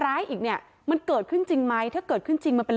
ร้ายอีกเนี่ยมันเกิดขึ้นจริงไหมถ้าเกิดขึ้นจริงมันเป็น